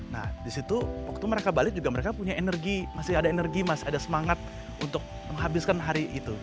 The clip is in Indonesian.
nah disitu waktu mereka balik juga mereka punya energi masih ada energi masih ada semangat untuk menghabiskan hari itu